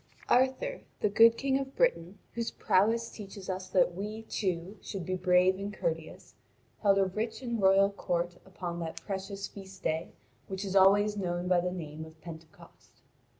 1 174.) Arthur, the good King of Britain, whose prowess teaches us that we, too, should be brave and courteous, held a rich and royal court upon that precious feast day which is always known by the name of Pentecost.